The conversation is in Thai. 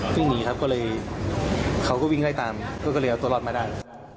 วิ่งหนีครับก็เลยเขาก็วิ่งไล่ตามก็เลยเอาตัวรอดมาได้